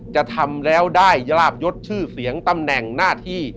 จะทำแล้วได้ยาบยศชื่อเสียงตำแหน่งหน้าที่